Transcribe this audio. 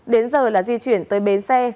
đến giờ là di chuyển tới bến xe